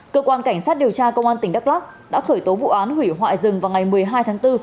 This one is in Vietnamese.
cơ quan cảnh sát điều tra công an tỉnh đắk lắc đã khởi tố vụ án hủy hoại rừng vào ngày một mươi hai tháng bốn